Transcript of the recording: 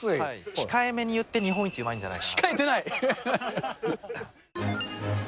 控えめに言って日本一うまいんじゃないかなと。